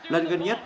lần gần nhất